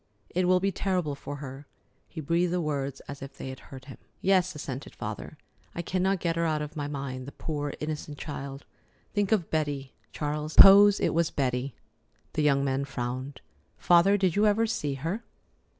"It will be terrible for her." He breathed the words as if they hurt him. "Yes," assented the father; "I cannot get her out of my mind, the poor innocent child! Think of Betty, Charles. Suppose it was Betty." The young man frowned. "Father, did you ever see her?"